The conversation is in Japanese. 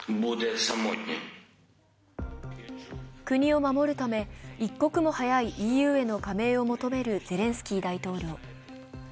国を守るため一刻も早いＥＵへの加入を求めるゼレンスキー大統領。